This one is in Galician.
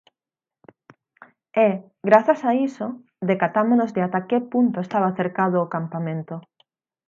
E, grazas a iso, decatámonos de ata que punto estaba cercado o campamento.